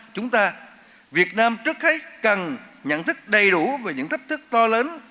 chúng ta việt nam trước hết cần nhận thức đầy đủ về những thách thức to lớn